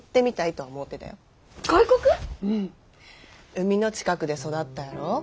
海の近くで育ったやろ？